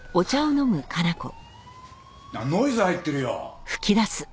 あっノイズ入ってるよ。